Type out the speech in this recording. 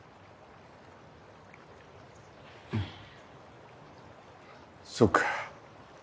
うんそうか。